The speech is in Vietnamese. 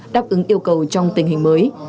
đáp ứng yêu cầu trong tình hình mới